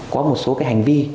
có một số hành vi